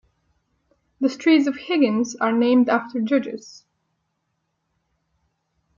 The streets of Higgins are named after judges.